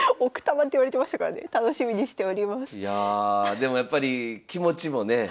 でもやっぱり気持ちもね